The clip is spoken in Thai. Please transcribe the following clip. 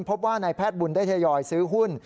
พบว่านายแพทย์บุญได้ทยอยซื้อหุ้น